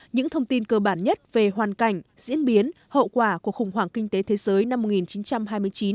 những thông tin cơ bản nhất về hoàn cảnh diễn biến hậu quả của khủng hoảng kinh tế thế giới năm một nghìn chín trăm hai mươi chín